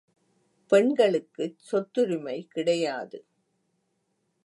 பெண்களுக்குச் சொத்துரிமை கிடையாது.